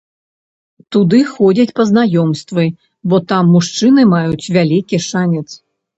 Туды ходзяць па знаёмствы, бо там мужчыны маюць вялікі шанец.